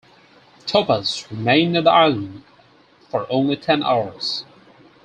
"Topaz" remained at the island for only ten hours.